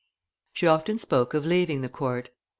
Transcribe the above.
She often spoke of leaving the court.